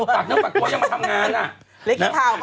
ฝากเนื้อฝากตัวอย่าก็มาทำงานอะ